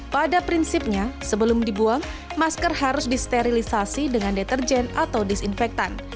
pada prinsipnya sebelum dibuang masker harus disterilisasi dengan deterjen atau disinfektan